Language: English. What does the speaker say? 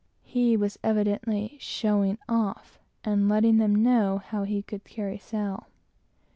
He was evidently showing off his vessel, and letting them know how he could carry sail.